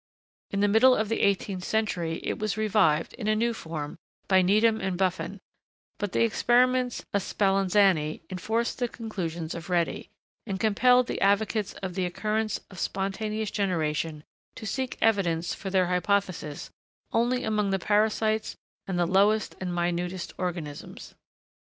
In the middle of the eighteenth century, it was revived, in a new form, by Needham and Buffon; but the experiments of Spallanzani enforced the conclusions of Redi, and compelled the advocates of the occurrence of spontaneous generation to seek evidence for their hypothesis only among the parasites and the lowest and minutest organisms.